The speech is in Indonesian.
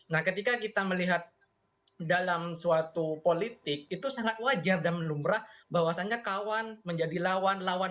nah ketika kita melihat dalam suatu politik itu sangat wajar dan lumrah bahwasannya kawan menjadi lawan lawan